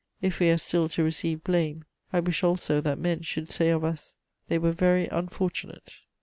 If we are still to receive blame, I wish also that men should say of us: "'They were very unfortunate.'"